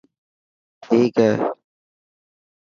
ٺيڪ هي.